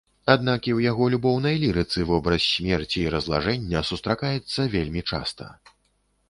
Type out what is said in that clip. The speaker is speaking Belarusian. Аднак і ў яго любоўнай лірыцы вобраз смерці і разлажэння сустракаецца вельмі часта.